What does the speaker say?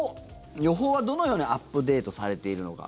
予報はどのようにアップデートされているのか。